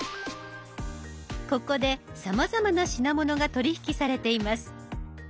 ここでさまざまな品物が取り引きされています。